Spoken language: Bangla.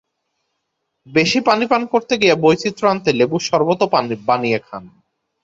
বেশি পানি পান করতে গিয়ে বৈচিত্র্য আনতে লেবুর শরবতও বানিয়ে খান।